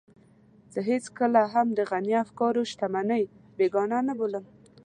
زه هېڅکله هم د غني د افکارو شتمنۍ بېګانه نه بولم.